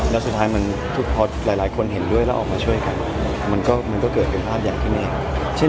แล้วสุดท้ายมันพอหลายคนเห็นด้วยแล้วออกมาช่วยกันมันก็เกิดเป็นภาพอย่างที่นี่